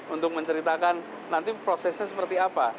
untuk menceritakan nanti prosesnya seperti apa